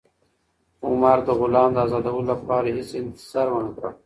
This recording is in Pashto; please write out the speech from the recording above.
عمر د غلام د ازادولو لپاره هېڅ انتظار ونه کړ.